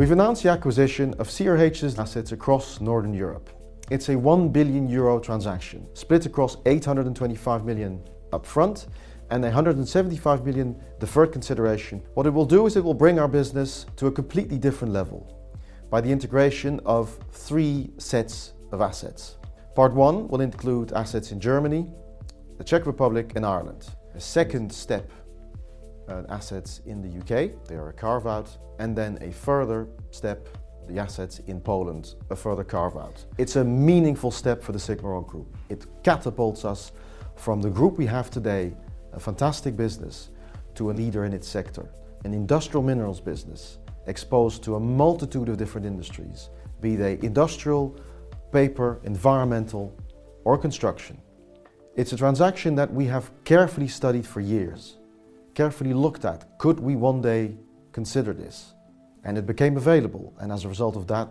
We've announced the acquisition of CRH's assets across Northern Europe. It's a 1 billion euro transaction, split across 825 million upfront and 175 million deferred consideration. What it will do is it will bring our business to a completely different level by the integration of three sets of assets. Part one will include assets in Germany, the Czech Republic, and Ireland. A second step, assets in the U.K., they are a carve-out, and then a further step, the assets in Poland, a further carve-out. It's a meaningful step for the SigmaRoc Group. It catapults us from the group we have today, a fantastic business, to a leader in its sector. An industrial minerals business exposed to a multitude of different industries, be they industrial, paper, environmental, or construction. It's a transaction that we have carefully studied for years, carefully looked at. Could we one day consider this? It became available, and as a result of that,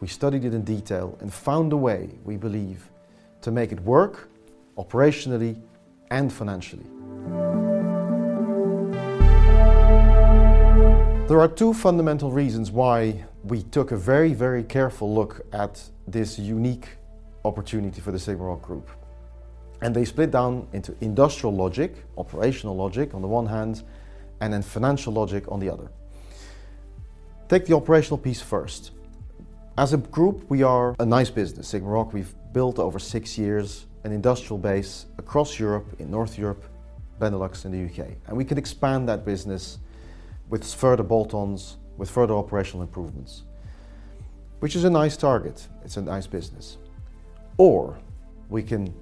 we studied it in detail and found a way, we believe, to make it work operationally and financially. There are two fundamental reasons why we took a very, very careful look at this unique opportunity for the SigmaRoc Group, and they split down into industrial logic, operational logic on the one hand, and then financial logic on the other. Take the operational piece first. As a group, we are a nice business, SigmaRoc. We've built over six years an industrial base across Europe, in Northern Europe, Benelux, and the U.K., and we can expand that business with further bolt-ons, with further operational improvements, which is a nice target. It's a nice business. Or we can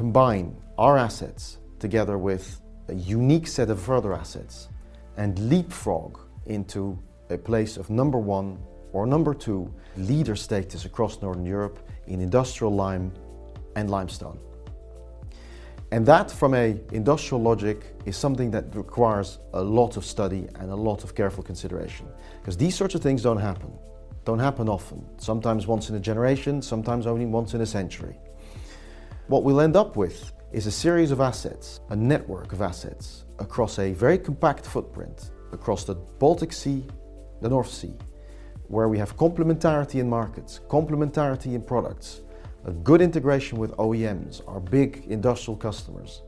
combine our assets together with a unique set of further assets and leapfrog into a place of number one or number two leader status across Northern Europe in industrial lime and limestone. And that, from an industrial logic, is something that requires a lot of study and a lot of careful consideration, 'cause these sorts of things don't happen, don't happen often, sometimes once in a generation, sometimes only once in a century. What we'll end up with is a series of assets, a network of assets, across a very compact footprint across the Baltic Sea, the North Sea, where we have complementarity in markets, complementarity in products, a good integration with OEMs, our big industrial customers.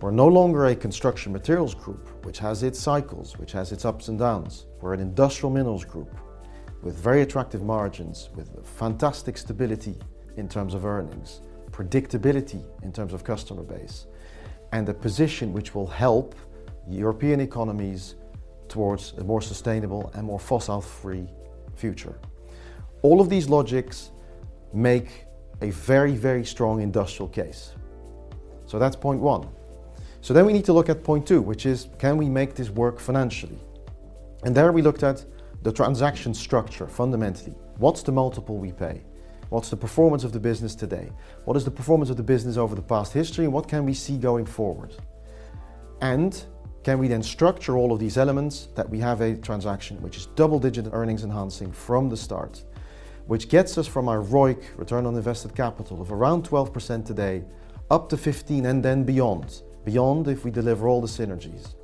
We're no longer a construction materials group, which has its cycles, which has its ups and downs. We're an industrial minerals group with very attractive margins, with fantastic stability in terms of earnings, predictability in terms of customer base, and a position which will help European economies towards a more sustainable and more fossil-free future. All of these logics make a very, very strong industrial case, so that's point one. So then we need to look at point two, which is: can we make this work financially? And there we looked at the transaction structure fundamentally. What's the multiple we pay? What's the performance of the business today? What is the performance of the business over the past history, and what can we see going forward? And can we then structure all of these elements that we have a transaction which is double-digit earnings enhancing from the start, which gets us from our ROIC, return on invested capital, of around 12% today up to 15 and then beyond, beyond if we deliver all the synergies?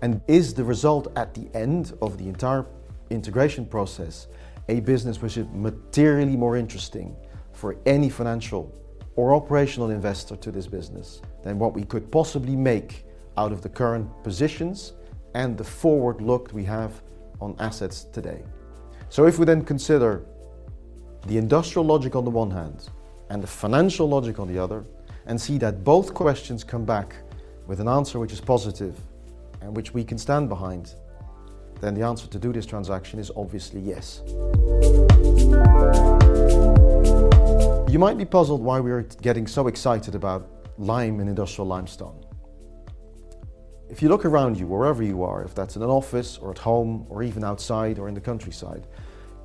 And is the result at the end of the entire integration process a business which is materially more interesting for any financial or operational investor to this business than what we could possibly make out of the current positions and the forward look we have on assets today? So if we then consider the industrial logic on the one hand and the financial logic on the other, and see that both questions come back with an answer which is positive and which we can stand behind, then the answer to do this transaction is obviously yes. You might be puzzled why we're getting so excited about lime and industrial limestone. If you look around you, wherever you are, if that's in an office or at home, or even outside or in the countryside,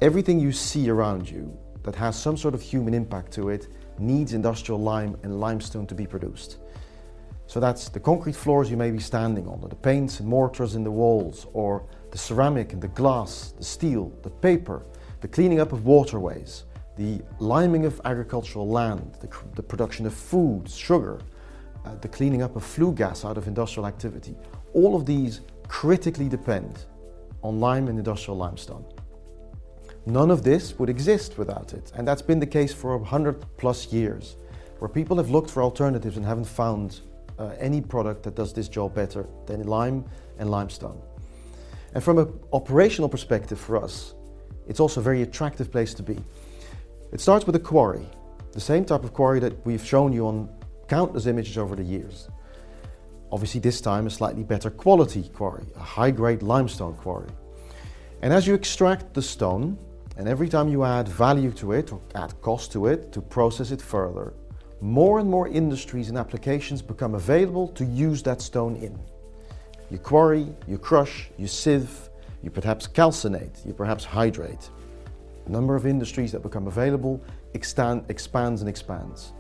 everything you see around you that has some sort of human impact to it needs industrial lime and limestone to be produced. So that's the concrete floors you may be standing on, or the paints and mortars in the walls, or the ceramic and the glass, the steel, the paper, the cleaning up of waterways, the liming of agricultural land, the production of foods, sugar, the cleaning up of flue gas out of industrial activity. All of these critically depend on lime and industrial limestone. None of this would exist without it, and that's been the case for 100-plus years, where people have looked for alternatives and haven't found any product that does this job better than lime and limestone. From an operational perspective for us, it's also a very attractive place to be. It starts with a quarry, the same type of quarry that we've shown you on countless images over the years. Obviously, this time, a slightly better quality quarry, a high-grade limestone quarry. As you extract the stone, and every time you add value to it or add cost to it to process it further, more and more industries and applications become available to use that stone in. You quarry, you crush, you sieve, you perhaps calcine, you perhaps hydrate. The number of industries that become available expands and expands.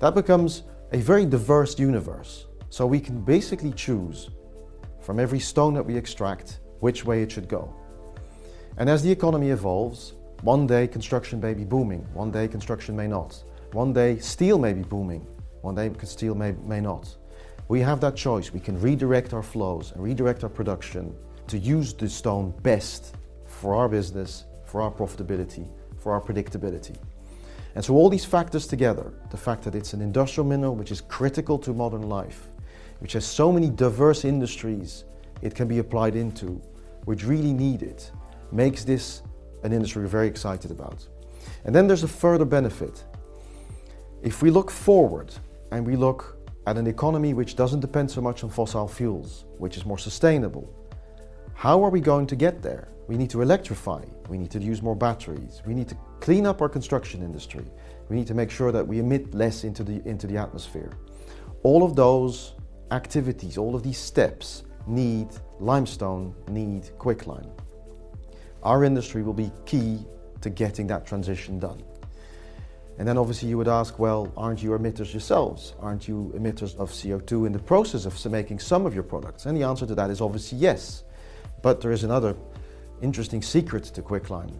That becomes a very diverse universe, so we can basically choose from every stone that we extract which way it should go. And as the economy evolves, one day construction may be booming, one day construction may not. One day steel may be booming, one day steel may not. We have that choice. We can redirect our flows and redirect our production to use the stone best for our business, for our profitability, for our predictability. And so all these factors together, the fact that it's an industrial mineral, which is critical to modern life, which has so many diverse industries it can be applied into, which really need it, makes this an industry we're very excited about. And then there's a further benefit. If we look forward, and we look at an economy which doesn't depend so much on fossil fuels, which is more sustainable, how are we going to get there? We need to electrify. We need to use more batteries. We need to clean up our construction industry. We need to make sure that we emit less into the atmosphere. All of those activities, all of these steps, need limestone, need quicklime. Our industry will be key to getting that transition done. And then obviously you would ask, "Well, aren't you emitters yourselves? Aren't you emitters of CO2 in the process of making some of your products?" And the answer to that is obviously yes, but there is another interesting secret to quicklime.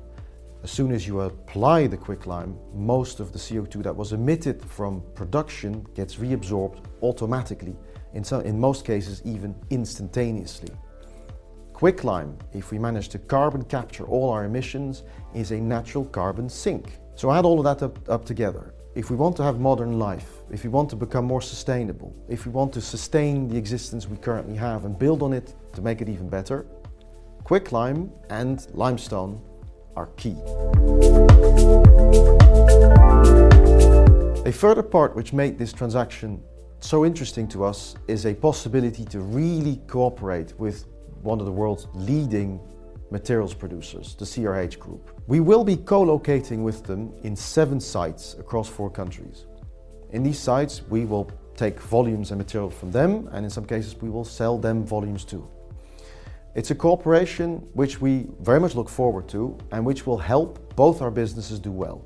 As soon as you apply the quicklime, most of the CO2 that was emitted from production gets reabsorbed automatically, and so in most cases, even instantaneously. Quicklime, if we manage to carbon capture all our emissions, is a natural carbon sink. So add all of that up, up together. If we want to have modern life, if we want to become more sustainable, if we want to sustain the existence we currently have and build on it to make it even better, quicklime and limestone are key. A further part which made this transaction so interesting to us is a possibility to really cooperate with one of the world's leading materials producers, the CRH Group. We will be co-locating with them in seven sites across four countries. In these sites, we will take volumes and material from them, and in some cases, we will sell them volumes, too. It's a cooperation which we very much look forward to and which will help both our businesses do well.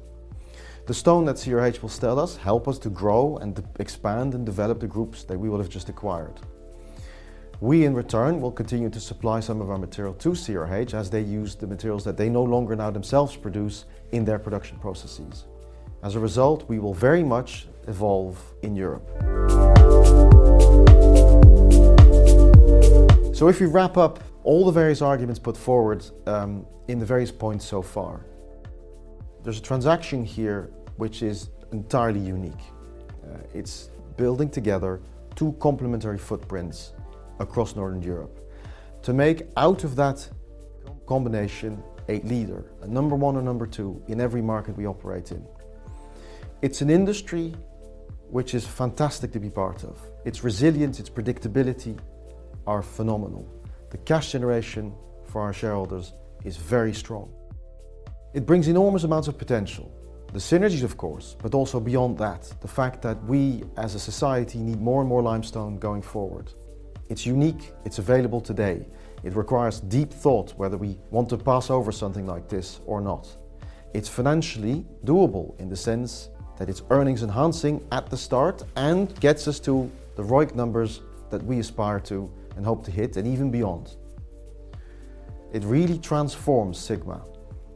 The stone that CRH will sell us help us to grow and expand and develop the groups that we will have just acquired. We, in return, will continue to supply some of our material to CRH, as they use the materials that they no longer now themselves produce in their production processes. As a result, we will very much evolve in Europe. So if you wrap up all the various arguments put forward in the various points so far, there's a transaction here which is entirely unique. It's building together two complementary footprints across Northern Europe to make out of that combination a leader, a number one or number two in every market we operate in. It's an industry which is fantastic to be part of. Its resilience, its predictability are phenomenal. The cash generation for our shareholders is very strong. It brings enormous amounts of potential, the synergies, of course, but also beyond that, the fact that we, as a society, need more and more limestone going forward. It's unique. It's available today. It requires deep thought whether we want to pass over something like this or not. It's financially doable in the sense that it's earnings-enhancing at the start and gets us to the ROIC numbers that we aspire to and hope to hit, and even beyond. It really transforms Sigma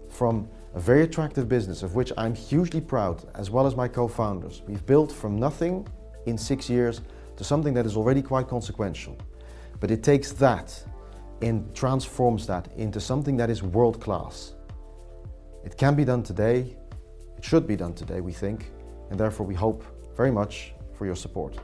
from a very attractive business, of which I'm hugely proud, as well as my co-founders. We've built from nothing in six years to something that is already quite consequential, but it takes that and transforms that into something that is world-class. It can be done today. It should be done today, we think, and therefore, we hope very much for your support.